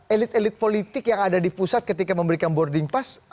elit elit politik yang ada di pusat ketika memberikan boarding pass